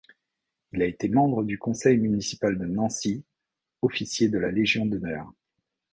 Il a été membre du conseil municipal de Nancy, officier de la Légion d'honneur.